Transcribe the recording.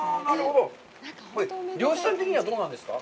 漁師さん的にはどうなんですか。